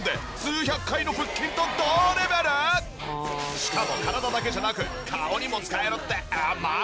しかも体だけじゃなく顔にも使えるってマジ！？